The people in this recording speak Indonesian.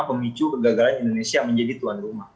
pemicu kegagalan indonesia menjadi tuan rumah